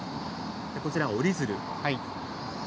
こちら折り鶴。